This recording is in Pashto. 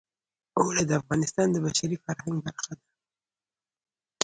اوړي د افغانستان د بشري فرهنګ برخه ده.